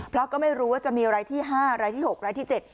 เพราะก็ไม่รู้ว่าจะมีรายที่๕รายที่๖รายที่๗